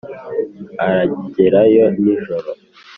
aragerayo nijoro